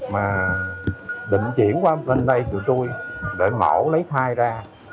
mà định chuyển qua bên đây tụi tôi để mẫu lấy thai ra